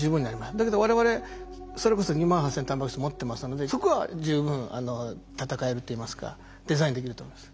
だけど我々それこそ２万８，０００のタンパク質持ってますのでそこは十分闘えるといいますかデザインできると思います。